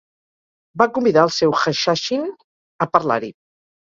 Va convidar el seu "hashashin" a parlar-hi.